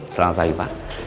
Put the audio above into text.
selamat pagi pak